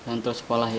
pengen terus sekolah ya